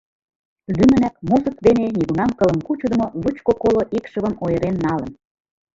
Лӱмынак музык дене нигунам кылым кучыдымо лучко-коло икшывым ойырен налын.